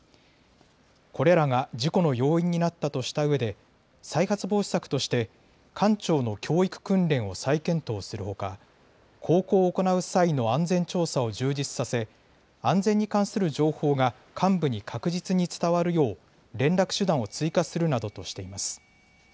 これらが事故の要因になったとしたうえで再発防止策として艦長の教育訓練を再検討するほか、航行を行う際の安全調査を充実させ安全に関する情報が幹部に確実に伝わるよう連絡手段を追加するなどとしています。